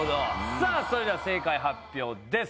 さぁそれでは正解発表です。